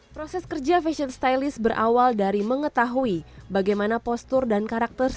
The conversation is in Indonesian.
proses kerja fashion stylist berawal dari mengetahui bagaimana postur dan karakter